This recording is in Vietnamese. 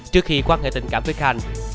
trước khi quan hệ tình cảm với khanh